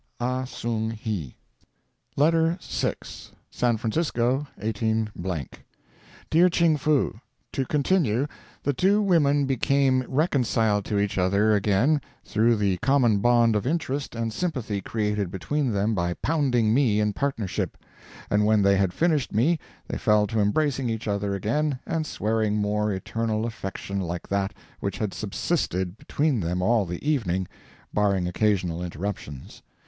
AH SONG HI. * The former of the two did.—[ED. MEM. LETTER VI. SAN FRANCISCO, 18—. DEAR CHING FOO: To continue—the two women became reconciled to each other again through the common bond of interest and sympathy created between them by pounding me in partnership, and when they had finished me they fell to embracing each other again and swearing more eternal affection like that which had subsisted between them all the evening, barring occasional interruptions.